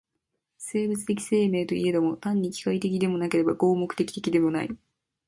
生物的生命といえども、単に機械的でもなければ合目的的でもない。